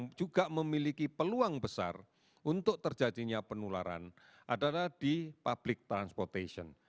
yang juga memiliki peluang besar untuk terjadinya penularan adalah di public transportation